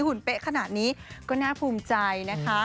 ุ่นเป๊ะขนาดนี้ก็น่าภูมิใจนะคะ